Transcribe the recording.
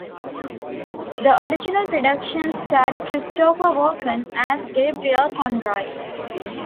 The original production starred Christopher Walken as Gabriel Conroy.